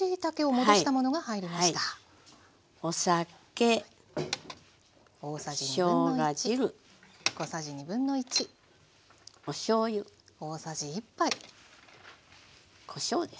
お酒しょうが汁おしょうゆこしょうです。